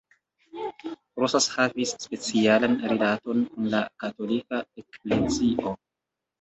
Rosas havis specialan rilaton kun la Katolika Eklezio.